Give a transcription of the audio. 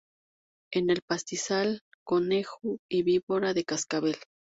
En el pastizal: conejo y víbora de cascabel.